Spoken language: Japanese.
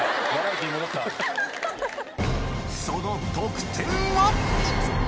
その得点は？